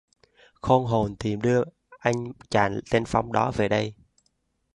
Khôn hồn thì mau đưa anh chàng tên phong đó về đây